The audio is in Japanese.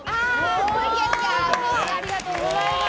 うれしいありがとうございます。